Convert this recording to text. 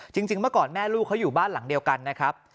จริงเมื่อก่อนแม่ลูกเขาอยู่บ้านหลังเดียวกันนะครับ